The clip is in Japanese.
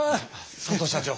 佐藤社長！